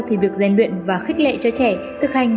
thì việc gian luyện và khích lệ cho trẻ thực hành